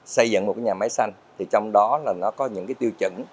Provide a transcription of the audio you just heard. xây dựng một nhà máy xanh thì trong đó là nó có những tiêu chuẩn